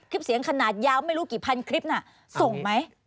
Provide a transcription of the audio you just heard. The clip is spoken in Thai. คลิปเสียงขนาดยาวไม่รู้กี่พันคลิปน่ะส่งไหม